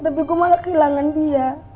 tapi gue malah kehilangan dia